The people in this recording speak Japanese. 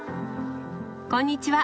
こんにちは。